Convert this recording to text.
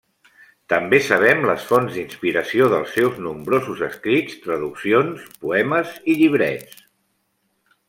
També sabem les fonts d'inspiració dels seus nombrosos escrits, traduccions, poemes i llibrets.